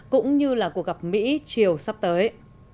cũng như là của gặp mỹ triều sắp tới